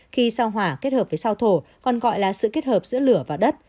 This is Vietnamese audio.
khi sao hỏa kết hợp với sau thổ còn gọi là sự kết hợp giữa lửa và đất